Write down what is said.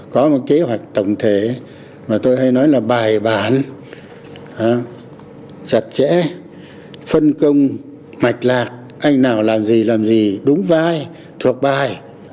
có một kế hoạch tổng thể mà tôi hay nói là bài bản chặt chẽ phân công mạch lạc anh nào làm gì làm gì đúng vai thuộc bài